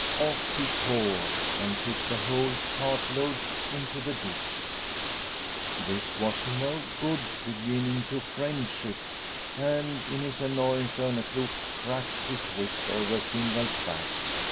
Off he tore and tipped the whole cartload into the ditch. This was no good beginning to friendship, and in his annoyance Orneclou cracked his whip over Fingal's back.